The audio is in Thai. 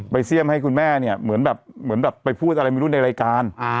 ไปเสี้ยมให้คุณแม่เนี่ยเหมือนแบบไปพูดอะไรไม่รู้ในรายการ